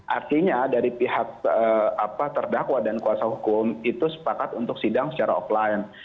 artinya dari pihak terdakwa dan kuasa hukum itu sepakat untuk sidang secara offline